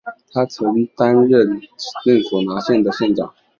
他曾经担任拿索县的县长。